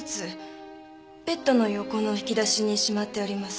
ベットの横の引き出しにしまってあります。